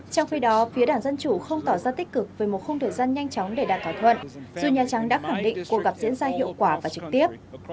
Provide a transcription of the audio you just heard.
trong khi đó phía đảng dân chủ không tỏ ra tích cực về một khung thời gian nhanh chóng để đạt thỏa thuận dù nhà trắng đã khẳng định cuộc gặp diễn ra hiệu quả và trực tiếp